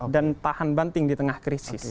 dan tahan banting di tengah krisis